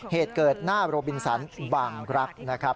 เหตุเกิดหน้าโรบินสันบางรักนะครับ